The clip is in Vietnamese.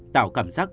tạo cảm giác